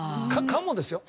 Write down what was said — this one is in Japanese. かもですよ。